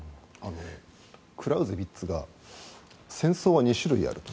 クラウゼビッツが戦争は２種類あると。